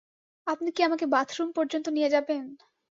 আপনি কি আমাকে বাথরুম পর্যন্ত নিয়ে যাবেন?